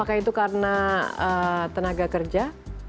apakah itu karena tenaga kerja